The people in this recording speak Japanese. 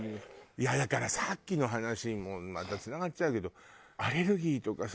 いやだからさっきの話にもうまたつながっちゃうけどアレルギーとかさ